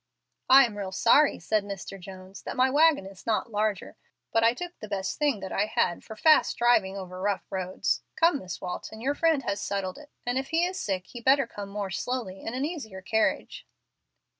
"I am real sorry," said Mr. Jones, "that my wagon is not larger, but I took the best thing that I had for fast driving over rough roads. Come, Miss Walton, your friend has settled it, and if he is sick he had better come more slowly in an easier carriage."